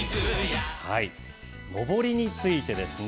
のぼりについてですね。